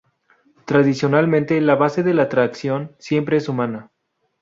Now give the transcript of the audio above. Tradicionalmente, la base de la tracción siempre es humana.